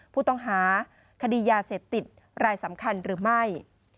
ผู้ต้องหาคดียาเสพติดรายสำคัญหรือไม่